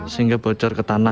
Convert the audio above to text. sehingga bocor ke tanah